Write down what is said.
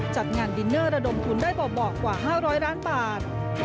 จัดงานดินเนอร์ระดมทุนได้เบาะกว่า๕๐๐ล้านบาท